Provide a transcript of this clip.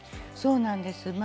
そうなんです。